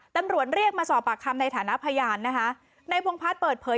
ตำรวจเรียกมาสอบปากคำในฐานะพยานนะคะในพงพัฒน์เปิดเผย